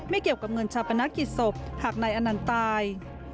เกี่ยวกับเงินชาปนกิจศพหากนายอนันต์ตาย